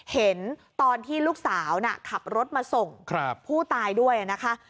เห็นตอนที่ลูกสาวขับรถมาส่งผู้ตายด้วยนะคะ